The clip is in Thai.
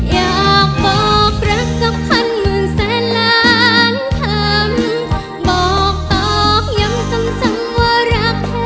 อยากบอกรักสักพันหมื่นแสนล้านคำ